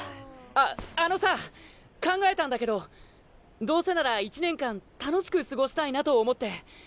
ああのさ考えたんだけどどうせなら１年間楽しくすごしたいなと思って。